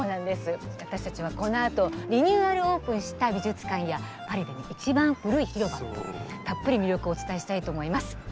私たちは、このあとリニューアルオープンした美術館やパリで一番古い広場などたっぷり魅力をお伝えしたいと思います。